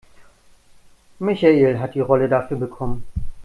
Michael hat die Rolle dafür bekommen.